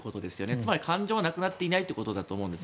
つまり感情はなくなっていないということだと思うんです。